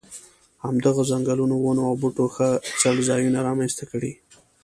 همدغو ځنګلونو ونو او بوټو ښه څړځایونه را منځته کړي.